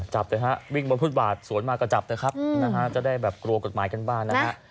จับนะครับวิ่งบนพุทธบาทสวนมาก็จับนะครับจะได้แบบกลัวกฎหมายกันบ้านนะครับ